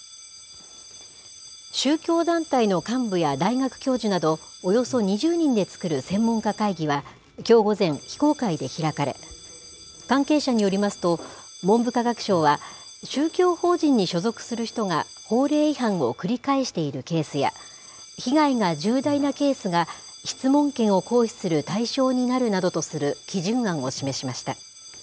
宗教団体の幹部や大学教授など、およそ２０人で作る専門家会議は、きょう午前、非公開で開かれ、関係者によりますと、文部科学省は、宗教法人に所属する人が、法令違反を繰り返しているケースや、被害が重大なケースが質問権を行使する対象になるなどとする基準案を示しました。